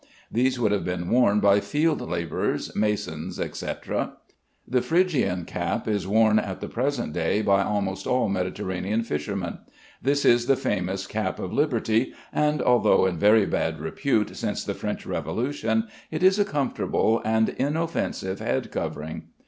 These would have been worn by field laborers, masons, etc. The Phrygian cap is worn at the present day by almost all Mediterranean fishermen. This is the famous cap of liberty, and although in very bad repute since the French Revolution, it is a comfortable and inoffensive head covering.